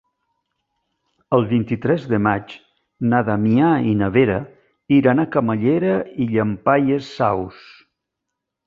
El vint-i-tres de maig na Damià i na Vera iran a Camallera i Llampaies Saus.